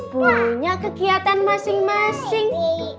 punya kegiatan masing masing